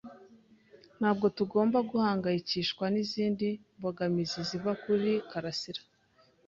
Ntabwo tugomba guhangayikishwa nizindi mbogamizi ziva kuri karasira.